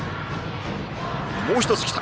もう１つ来た。